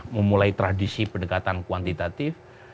memulai tradisi pendekatan kuantitatif